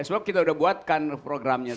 soalnya kita udah buat kan programnya